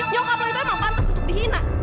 nyokap lo itu emang pantas untuk dihina